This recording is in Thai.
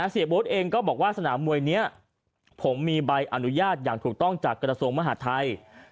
เซียบดเองก็บอกว่าสนามมวยเนี้ยผมมีใบอนุญาตอย่างถูกต้องจากกรสงค์มหาธัย